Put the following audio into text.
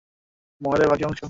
মহলের বাকি অংশ?